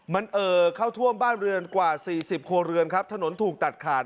มันเอ่อเข้าท่วมบ้านเรือนกว่าสี่สิบครัวเรือนครับถนนถูกตัดขาด